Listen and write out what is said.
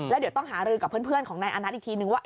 แล้วเดี๋ยวต้องหารือกับเพื่อนของนายอานัทอีกทีนึงว่า